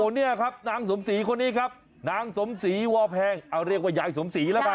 เนี่ยครับนางสมศรีคนนี้ครับนางสมศรีวอแพงเอาเรียกว่ายายสมศรีแล้วกัน